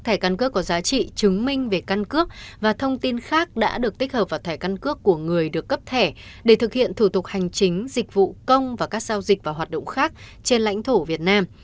hai thẻ căn cước có giá trị chứng minh về căn cước và thông tin khác đã được tích hợp vào thẻ căn cước của người được cấp thẻ để thực hiện thủ tục hành chính dịch vụ công và các giao dịch và hoạt động khác trên lãnh thổ việt nam